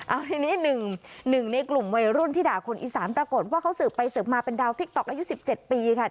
เอาทีนี้หนึ่งในกลุ่มวัยรุ่นที่ด่าคนอีสานปรากฏว่าเขาสืบไปสืบมาเป็นดาวติ๊กต๊อกอายุ๑๗ปีค่ะ